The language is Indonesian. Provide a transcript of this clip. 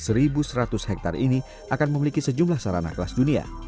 kek mandalika sekitar satu seratus hektare ini akan memiliki sejumlah sarana kelas dunia